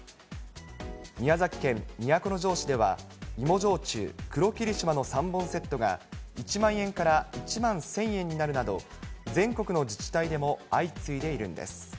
宮崎県都城市では芋焼酎、黒霧島の３本セットが１万円から１万１０００円になるなど、全国の自治体でも相次いでいるんです。